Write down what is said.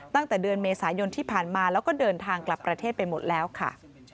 ตั้งแต่เดือนเมษายนที่ผ่านมาแล้วก็เดินทางกลับประเทศไปหมดแล้วค่ะ